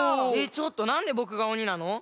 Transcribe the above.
ちょっとなんでぼくがおになの？